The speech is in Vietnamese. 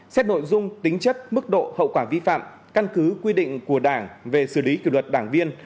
xét nội dung tính chất mức độ hậu quả vi phạm căn cứ quy định của đảng về xử lý kỷ luật đảng viên